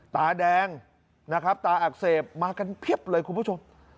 ตาแดงนะครับตาอักเสบมากันเพียบเลยคุณผู้ชม